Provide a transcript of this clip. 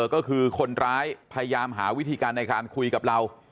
ก็คือคนร้ายพยายามหาวิธีการในการคุยกับเรา